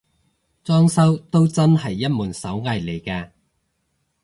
裝修都真係一門手藝嚟嘅